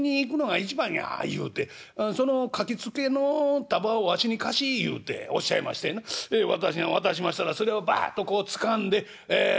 言うて『その書きつけの束をわしに貸し』言うておっしゃいましてな私が渡しましたらそれをバッとこうつかんでええ